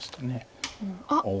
あっ！